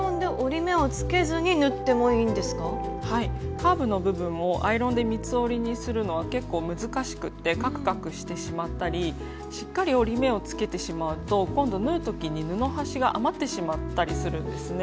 カーブの部分をアイロンで三つ折りにするのは結構難しくてカクカクしてしまったりしっかり折り目をつけてしまうと今度縫う時に布端が余ってしまったりするんですね。